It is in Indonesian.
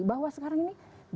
bahwa sekarang ini